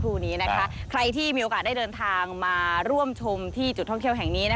นี้นะคะใครที่มีโอกาสได้เดินทางมาร่วมชมที่จุดท่องเที่ยวแห่งนี้